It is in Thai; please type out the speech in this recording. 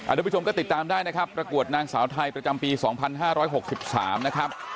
ทุกผู้ชมก็ติดตามได้นะครับประกวดนางสาวไทยประจำปี๒๕๖๓นะครับ